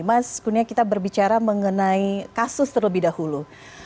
mas kunia kita berbicara mengenai kasus terlebih dahulu